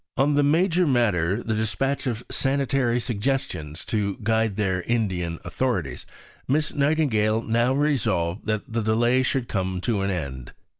On the major matter, the dispatch of sanitary suggestions to guide the Indian authorities, Miss Nightingale now resolved that the delay should come to an end.